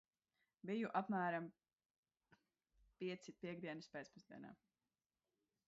Bija apmēram pieci piektdienas pēcpusdienā.